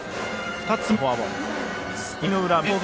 ２つ目のフォアボール。